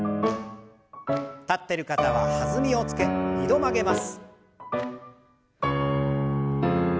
立ってる方は弾みをつけ２度曲げます。